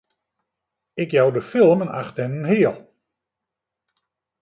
Ik jou de film in acht en in heal!